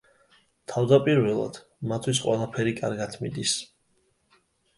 თავდაპირველად, მათთვის ყველაფერი კარგად მიდის.